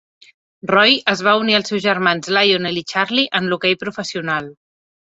Roy es va unir als seus germans Lionel i Charlie en l'hoquei professional.